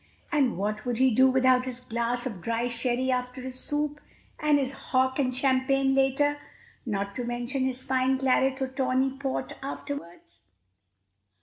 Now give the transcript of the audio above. And what would he do without his glass of dry sherry after his soup, and his hock and champagne later, not to mention his fine claret or tawny port afterwards?